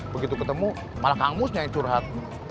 begitu ketemu malah kang mus nyanyi curhat